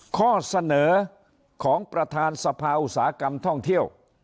ข้อเสนอของประธานสภาอุตสาหกรรมท่องเที่ยว